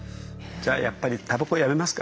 じゃあやっぱりタバコやめますか？